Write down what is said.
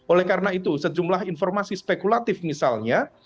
oleh karena itu sejumlah informasi spekulatif misalnya